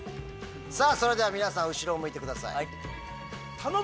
それでは皆さん後ろを向いてください。